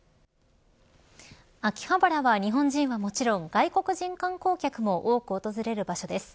秋葉原は、日本人はもちろん外国人観光客も多く訪れる場所です。